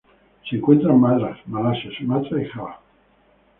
Se encuentra en Madras Malasia Sumatra y Java.